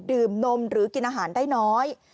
นมหรือกินอาหารได้น้อย